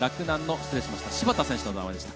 失礼しました。